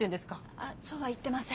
あそうは言ってません。